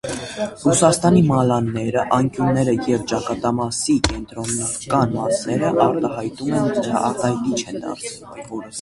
Ռուստաշարերի մալաները անկյունները և ճակատամասի կենտրոնական մասերը արտահայտիչ են դարձրել։